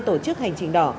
tổ chức hành trình đỏ